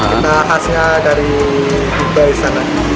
kita khasnya dari dubai sana